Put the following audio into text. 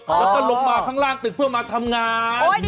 แล้วก็ลงมาข้างล่างตึกเพื่อมาทำงาน